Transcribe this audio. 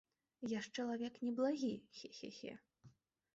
Я ж чалавек неблагі, хе-хе-хе.